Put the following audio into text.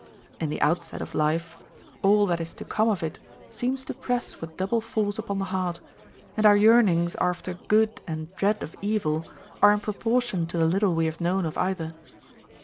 In the outset of life, all that is to come of it seems to press with double force upon the heart, and our yearnings after good and dread of evil are in proportion to the little we have known of either.